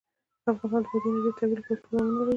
افغانستان د بادي انرژي د ترویج لپاره پروګرامونه لري.